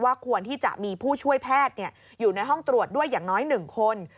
ควรที่จะมีผู้ช่วยแพทย์อยู่ในห้องตรวจด้วยอย่างน้อย๑คน